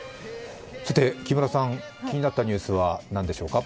木村さん、気になったニュースは何でしょうか？